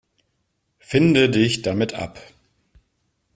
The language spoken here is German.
Finde dich damit ab.